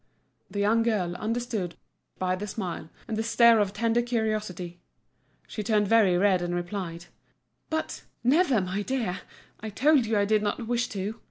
The young girl understood by the smile and the stare of tender curiosity; she turned very red and replied: "But—never, my dear! I told you I did not wish to!